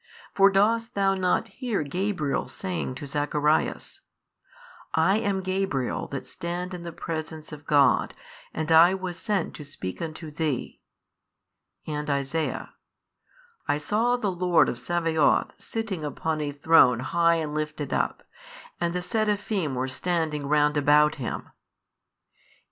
for dost thou not hear Gabriel saying to Zacharias, I am Gabriel that stand in the Presence of God and I was sent to speak unto thee, and Isaiah, I saw the Lord of Sabaoth sitting upon a throne high and lifted up, and the Seraphim were standing round about Him.